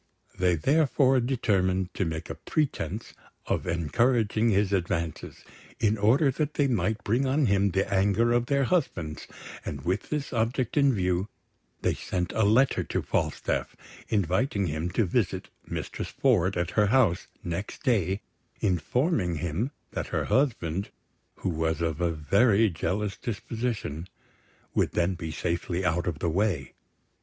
They therefore determined to make a pretence of encouraging his advances, in order that they might bring on him the anger of their husbands; and with this object in view, they sent a letter to Falstaff, inviting him to visit Mistress Ford at her house next day, informing him that her husband, who was of a very jealous disposition, would then be safely out of the way.